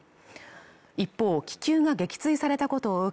一方気球が撃墜されたことを受け